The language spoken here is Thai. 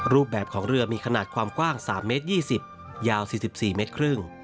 รูปแบบของเรือมีขนาดความกว้าง๓เมตร๒๐ยาว๔๔เมตรครึ่ง